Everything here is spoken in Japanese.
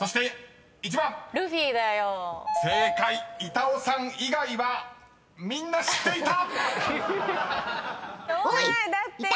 板尾さん以外はみんな知っていた！］